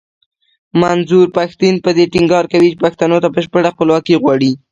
منظور پښتين په دې ټينګار کوي پښتنو ته بشپړه خپلواکي غواړي.